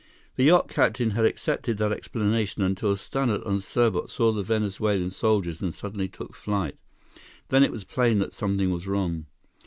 The yacht captain had accepted that explanation until Stannart and Serbot saw the Venezuelan soldiers and suddenly took flight. Then it was plain that something was wrong.